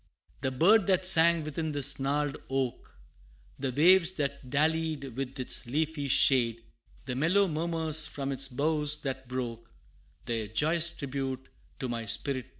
The bird that sang within this gnarled oak, The waves that dallied with its leafy shade, The mellow murmurs from its boughs that broke, Their joyous tribute to my spirit paid.